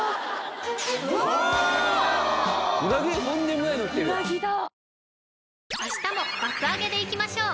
とんでもないのってるうなぎだ！